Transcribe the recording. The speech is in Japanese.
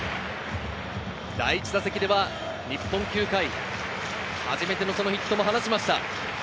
第１打席では日本球界初めてのそのヒットも放ちました。